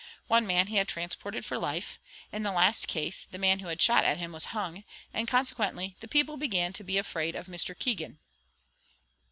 One man he had transported for life; in the last case, the man who had shot at him was hung; and consequently the people began to be afraid of Mr. Keegan.